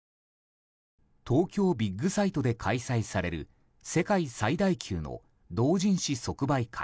東京ビッグサイトで開催される世界最大級の同人誌即売会